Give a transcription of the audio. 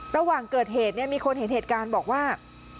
ระหว่างเกิดเหตุมีคนเห็นเหตุการณ์บอกว่า